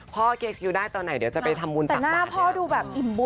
ขอบคุณเด้อค่ะ